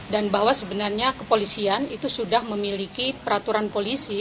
dan bahwa sebenarnya kepolisian itu sudah memiliki peraturan polisi